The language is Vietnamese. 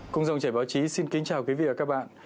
cung dòng trẻ báo chí xin kính chào quý vị và các bạn